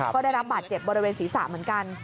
ก็ได้รับบาดเจ็บบริเวณศีรษะเหมือนกัน